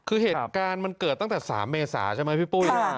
คือเหตุการณ์มันเกิดตั้งแต่๓เมษาใช่ไหมพี่ปุ้ย